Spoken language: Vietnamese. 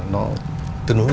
nó tương ứng